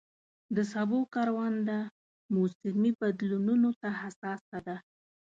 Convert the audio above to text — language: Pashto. د سبو کرونده موسمي بدلونونو ته حساسه ده.